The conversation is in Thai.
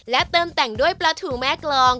เติมแต่งด้วยปลาถูแม่กลอง